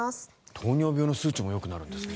糖尿病の数値もよくなるんですね。